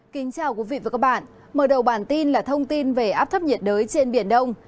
kính chào quý vị và các bạn mở đầu bản tin là thông tin về áp thấp nhiệt đới trên biển đông